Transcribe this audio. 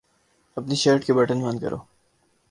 اپنی شرٹ کے بٹن بند کرو